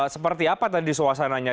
seperti apa tadi suasananya